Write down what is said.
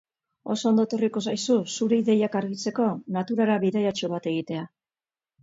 Oso ondo etorriko zaizu zure ideiak argitzeko naturara bidaiatxo bat egitea.